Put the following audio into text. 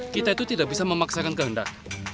kita itu tidak bisa memaksakan kehendak